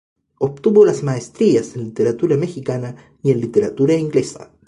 Obtuvo las maestrías en literatura mexicana y en literatura inglesa.